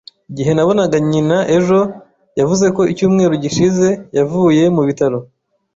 Igihe nabonaga nyina ejo, yavuze ko icyumweru gishize yavuye mu bitaro.